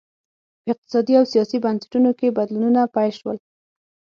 په اقتصادي او سیاسي بنسټونو کې بدلونونه پیل شول